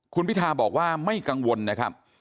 คุณพิทาบอกว่าไม่กังวลนะครับ